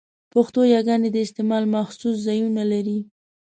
پښتو يګاني د استعمال مخصوص ځایونه لري؛